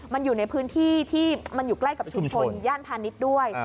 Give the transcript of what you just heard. มันอยู่ในพื้นที่ที่มันอยู่ใกล้กับชุมชนย่านพาณิชย์ด้วย